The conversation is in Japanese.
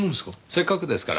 せっかくですから。